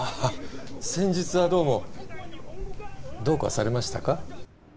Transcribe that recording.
先日はどうもどうかされましたか？